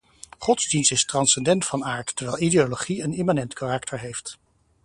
Godsdienst is transcendent van aard, terwijl ideologie een immanent karakter heeft.